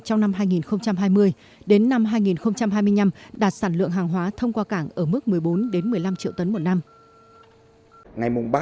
trong năm hai nghìn hai mươi đến năm hai nghìn hai mươi năm đạt sản lượng hàng hóa thông qua cảng ở mức một mươi bốn một mươi năm triệu tấn một năm